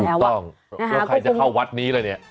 ถูกต้องแล้วใครจะเข้าวัดนี้แล้วเนี่ย